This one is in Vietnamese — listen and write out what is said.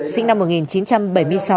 sinh năm một nghìn chín trăm bảy mươi sáu